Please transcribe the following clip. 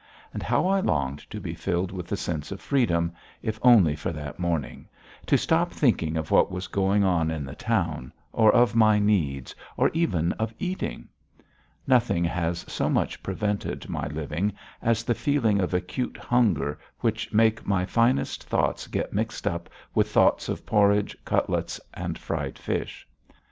And how I longed to be filled with the sense of freedom, if only for that morning, to stop thinking of what was going on in the town, or of my needs, or even of eating! Nothing has so much prevented my living as the feeling of acute hunger, which make my finest thoughts get mixed up with thoughts of porridge, cutlets, and fried fish.